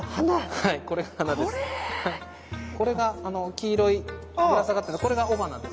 黄色いぶら下がってるこれが雄花です。